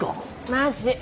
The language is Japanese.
マジ。